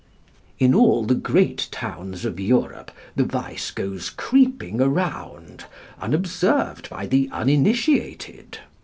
In all the great towns of Europe the vice goes creeping around, unobserved by the uninitiated.